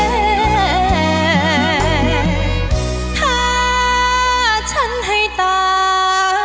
ถ้าฉันให้ตา